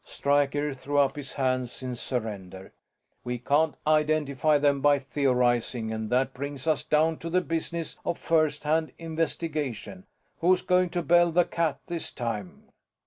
Stryker threw up his hands in surrender. "We can't identify them by theorizing, and that brings us down to the business of first hand investigation. Who's going to bell the cat this time?"